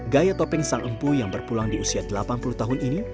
gaya topeng sang empu yang berpulang di usia delapan puluh tahun ini